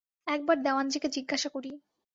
একবার দেওয়ানজিকে জিজ্ঞাসা করি।